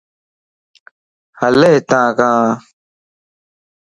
ھل ھتان ڪان